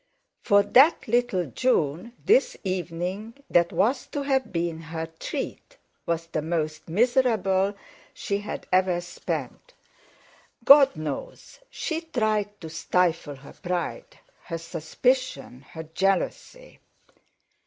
For "that little June" this evening, that was to have been "her treat," was the most miserable she had ever spent. God knows she tried to stifle her pride, her suspicion, her jealousy!